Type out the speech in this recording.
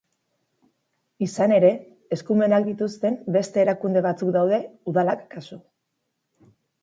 Izan ere, eskumenak dituzten beste erakunde batzuk daude, udalak kasu.